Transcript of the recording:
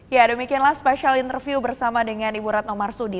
ya demikianlah spesial interview bersama dengan ibu ratno marsudi